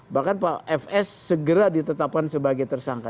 bahkan pak fs segera ditetapkan sebagai tersangka